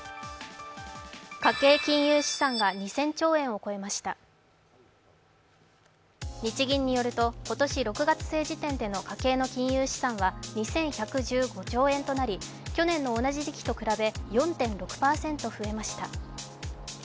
家計金融資産が２０００兆円を超えました日銀によると、今年６月末時点での家計の金融資産は２１１５兆円となり去年の同じ時期と比べて４．６％増えました。